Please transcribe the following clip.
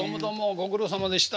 ご苦労さまでした。